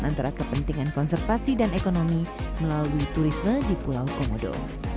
antara kepentingan konservasi dan ekonomi melalui turisme di pulau komodo